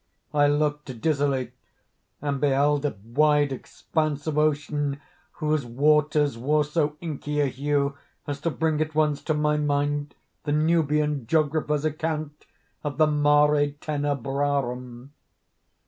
I looked dizzily, and beheld a wide expanse of ocean, whose waters wore so inky a hue as to bring at once to my mind the Nubian geographer's account of the Mare Tenebrarum.